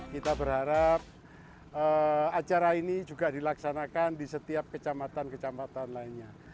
kita berharap acara ini juga dilaksanakan di setiap kecamatan kecamatan lainnya